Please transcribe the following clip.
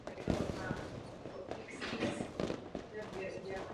Rozdíl mezi obvyklou evropskou soupravou a americkou soupravou je v rozložení náprav.